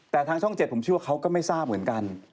แต่ทางช่อง๗ผมเชื่อว่าเขาก็ไม่ทราบเหมือนกัน